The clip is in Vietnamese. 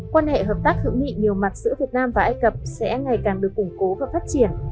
quan hệ hợp tác hữu nghị nhiều mặt giữa việt nam và ai cập sẽ ngày càng được củng cố và phát triển